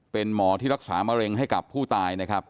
เป็นหมอที่รักษามะเร็งให้กับผู้ตายนะครับ